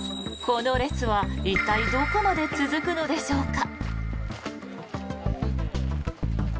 この列は一体どこまで続くのでしょうか。